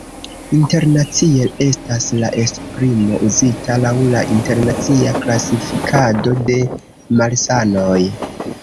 Internacie estas la esprimo uzita laŭ la internacia klasifikado de malsanoj.